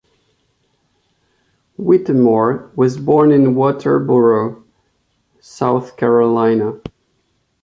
Whittemore was born in Walterboro, South Carolina.